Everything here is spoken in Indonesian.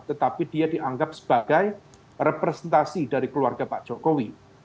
tetapi dia dianggap sebagai representasi dari keluarga pak jokowi